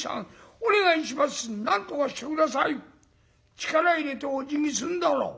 力入れておじぎすんだろ。